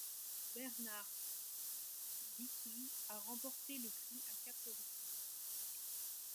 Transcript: Bernhard Wicki a remporté le prix à quatre reprises.